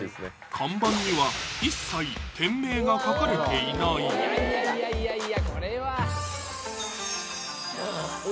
看板には一切店名が書かれていないいやいやいやいやこれはあ！